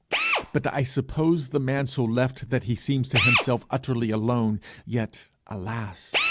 But I suppose the man so left that he seems to himself utterly alone, yet, alas!